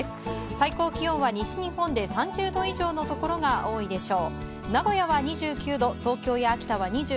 最高気温は、西日本で３０度以上のところが多いでしょう。